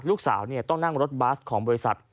ลูกสาวต้องนั่งรถบัสของบริษัท